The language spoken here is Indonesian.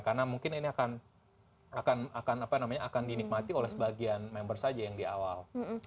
karena mungkin ini akan dinikmati oleh sebagian member saja yang di awal